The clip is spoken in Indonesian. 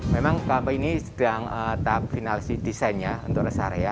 memang kami ini sedang tahap finalisasi desainnya untuk res area